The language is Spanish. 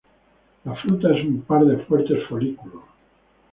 La fruta es un par de fuertes folículos.